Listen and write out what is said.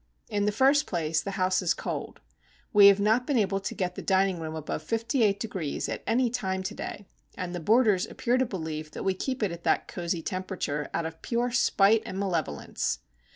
In the first place the house is cold. We have not been able to get the dining room above 58° at any time to day, and the boarders appear to believe that we keep it at that cosey temperature out of pure spite and malevolence.